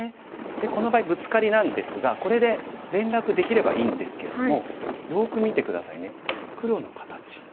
この場合ブツカリなんですがこれで連絡できればいいんですけれどもよく見て下さいね黒の形。